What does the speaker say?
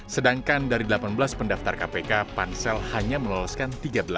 sedangkan dari delapan belas pendaftar kpk pansel hanya meloloskan tiga belas